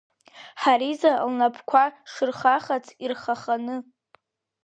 Ҳариза лнапқәа шырхахац ирхаханы.